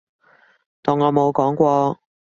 當我冇講過